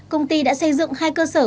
công ty đã xây dựng hai cơ sở